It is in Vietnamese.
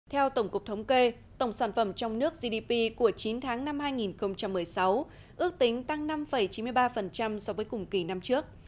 theo tổng cục thống kê tổng sản phẩm trong nước gdp của chín tháng năm hai nghìn một mươi sáu ước tính tăng năm chín mươi ba so với cùng kỳ năm trước